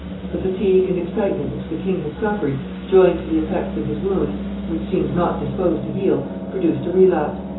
The fatigue and excitement which the king had suffered, joined to the effects of his wound, which seemed not disposed to heal, produced a relapse.